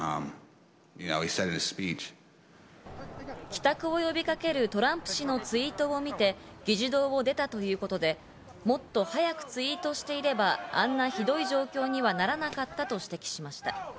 帰宅を呼びかけるトランプ氏のツイートを見て議事堂を出たということで、もっと早くツイートしていれば、あんなひどい状況にはならなかったと指摘しました。